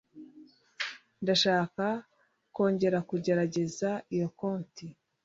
Ndashaka kongera kugerageza iyo koti.